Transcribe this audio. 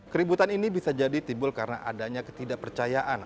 keributan ini bisa jadi tibul karena adanya ketidakpercayaan